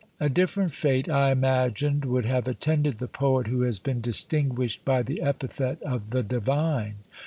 A different fate, I imagined, would have attended the poet who has been distinguished by the epithet of "The Divine."